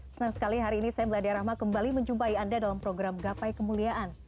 senang sekali hari ini saya meladia rahma kembali menjumpai anda dalam program gapai kemuliaan